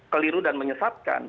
keliru dan menyesatkan